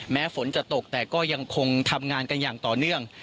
แม้ฝนจะตกแต่ก็ยังคงทำงานกันอย่างต่อเนื่อง